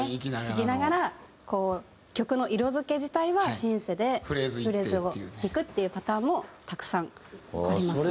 弾きながらこう曲の色付け自体はシンセでフレーズを弾くっていうパターンもたくさんありますね。